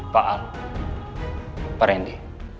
pak ab pak randy